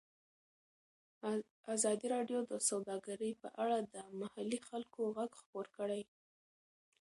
ازادي راډیو د سوداګري په اړه د محلي خلکو غږ خپور کړی.